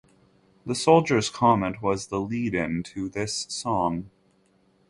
The soldier's comment was the lead-in to this song.